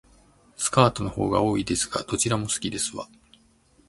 スカートの方が多いですが、どちらも好きですわ